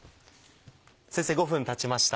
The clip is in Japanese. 先生５分たちました。